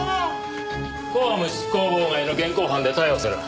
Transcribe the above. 公務執行妨害の現行犯で逮捕する。